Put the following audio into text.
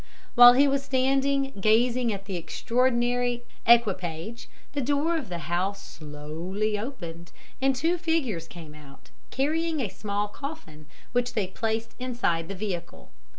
"While he was standing gazing at the extraordinary equipage, the door of the house slowly opened, and two figures came out carrying a small coffin, which they placed inside the vehicle.